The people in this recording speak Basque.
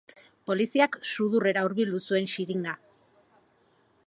Poliziak sudurrera hurbildu zuen xiringa.